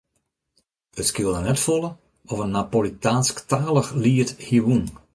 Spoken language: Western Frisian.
It skeelde net folle of in Napolitaansktalich liet hie wûn.